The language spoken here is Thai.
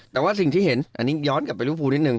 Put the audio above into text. แต่ว่าสิ่งที่เห็นอันนี้ย้อนกลับไปรูปภูนิดนึ